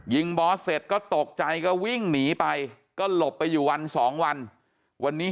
บอสเสร็จก็ตกใจก็วิ่งหนีไปก็หลบไปอยู่วันสองวันวันนี้